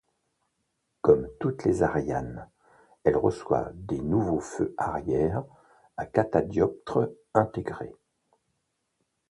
Comme toutes les Ariane, elle reçoit des nouveaux feux arrière à catadioptres intégrés.